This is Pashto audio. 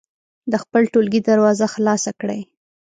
د خپل ټولګي دروازه خلاصه کړئ.